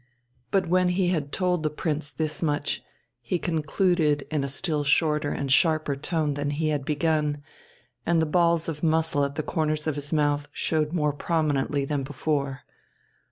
But when he had told the Prince this much, he concluded in a still shorter and sharper tone than he had begun, and the balls of muscle at the corners of his mouth showed more prominently than before.